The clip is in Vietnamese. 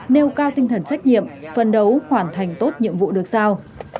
nêu cao tinh thần trách nhiệm phân đấu hoàn thành tốt nhiệm vụ được sao